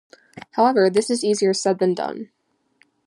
However, this is easier said than done.